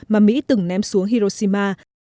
mà mỹ từng ném xuống hiroshima